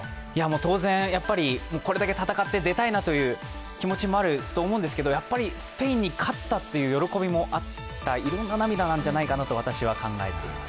当然、これだけ戦って出たいなという気持ちもあると思うんですけれども、やっぱりスペインに勝ったという喜びもあった、いろんな涙なんじゃないかなと私は考えます。